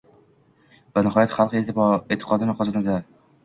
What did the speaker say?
va nihoyat xalq e’tiqodini qozonadi.